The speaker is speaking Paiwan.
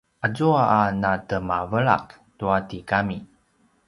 azua a natemavelak tua tigami